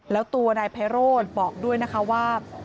แล้วตัวนายไพโรธบอกด้วยนะคะว่า